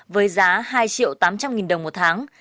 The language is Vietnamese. với giá hai triệu tám trăm linh nghìn đồng một tháng